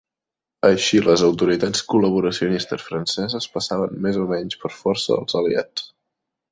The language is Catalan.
Així les autoritats col·laboracionistes franceses passaven més o menys per força als aliats.